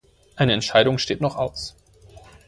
Eine Entscheidung steht noch aus.